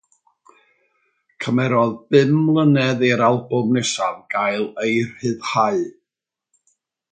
Cymerodd bum mlynedd i'r albwm nesaf gael ei rhyddhau.